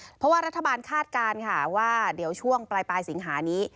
เพราะว่ารัฐบาลคาดการณ์ค่ะว่าเดี๋ยวช่วงปลายสิงหานี้